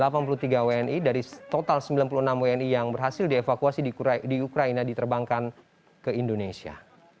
ada delapan puluh tiga wni dari total sembilan puluh enam wni yang berhasil dievakuasi di ukraina diterbangkan ke indonesia